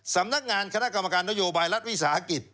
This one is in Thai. สำนักงานคณะกรรมการนโยบายรัฐวิสาหกิจ